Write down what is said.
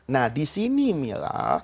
nah disini mila